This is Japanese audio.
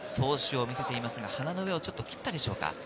闘志を見せていますが、鼻の上を切ったでしょうか？